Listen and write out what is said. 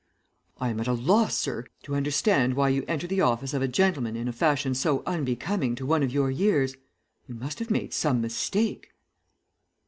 'I am at a loss, sir, to understand why you enter the office of a gentleman in a fashion so unbecoming to one of your years; you must have made some mistake.'